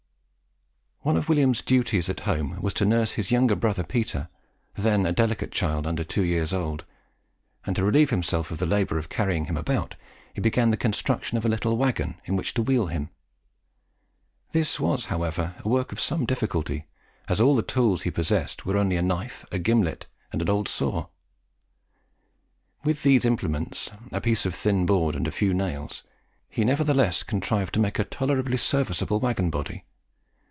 One of William's duties at home was to nurse his younger brother Peter, then a delicate child under two years old; and to relieve himself of the labour of carrying him about, he began the construction of a little waggon in which to wheel him. This was, however, a work of some difficulty, as all the tools he possessed were only a knife, a gimlet, and an old saw. With these implements, a piece of thin board, and a few nails, he nevertheless contrived to make a tolerably serviceable waggon body.